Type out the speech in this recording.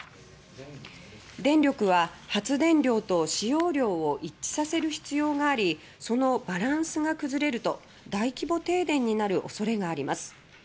電力は発電量と使用量を一致させる必要がありそのバランスが崩れると大規模停電になるおそれがあります。